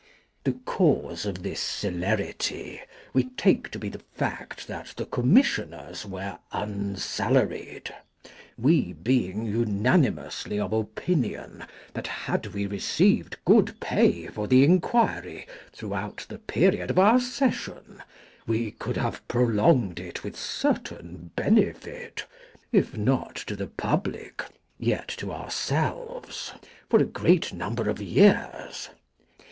The cause of this celerity we take to be the fact that the Commissioners were unsalaried; we being unanimously of opinion that had we received good pay for the inquiry throughout the period of our session, we could have prolonged it with certain benefit, if not to the public yet to ourselves, for a great number of years.